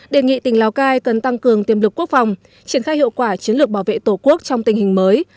đề nghị tỉnh lào cai cần tăng cường tiềm lực quốc phòng triển khai hiệu quả chiến lược bảo vệ tổ quốc trong tình hình mới